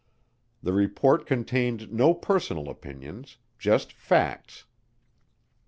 The report contained no personal opinions, just facts.